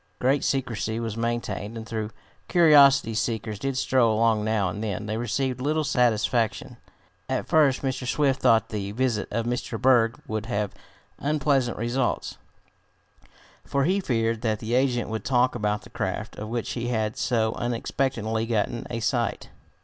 Great secrecy was maintained, and though curiosity seekers did stroll along now and then, they received little satisfaction. At first Mr. Swift thought that the visit of Mr. Berg would have unpleasant results, for he feared that the agent would talk about the craft, of which he had so unexpectedly gotten a sight.